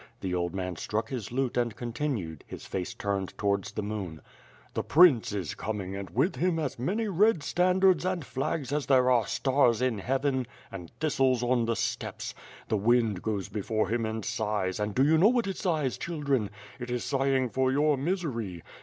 The old man struck his lute and continued, his face turned towards the moon: "The prince is coming and with him as many red standards and flags as there are stars in heaven and thistles on the steppes. The wind goes before him and sighs, and do you know why it sighs, children? It is sighing for your misery.